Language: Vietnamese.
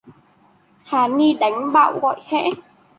Hà ni đánh bạo gọi khẽ